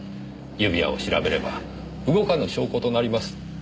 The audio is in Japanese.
指輪を調べれば動かぬ証拠となります。